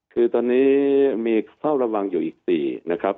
คือตอนนี้มีเฝ้าระวังอยู่อีก๔นะครับ